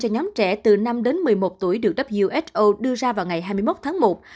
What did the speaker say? nhóm trẻ từ năm đến một mươi một tuổi được who đưa ra vào ngày hai mươi một tháng một